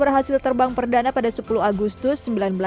berhasil terbang perdana pada sepuluh agustus seribu sembilan ratus empat puluh